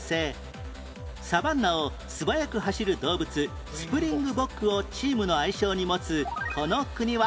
サバンナを素早く走る動物スプリングボックをチームの愛称に持つこの国は？